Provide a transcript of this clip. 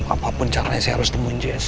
apa pun caranya saya harus temuin jesse